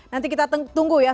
nanti kita tunggu ya